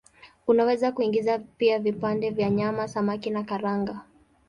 Unaweza kuingiza pia vipande vya nyama, samaki na karanga.